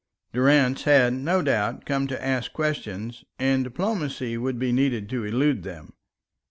Durrance had, no doubt come to ask questions, and diplomacy would be needed to elude them.